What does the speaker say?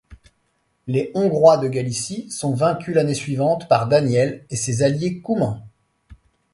Les Hongrois de Galicie sont vaincus l'année suivante par Daniel et ses alliés Coumans.